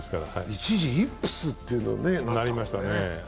一時、イップスというのにねなりましたね。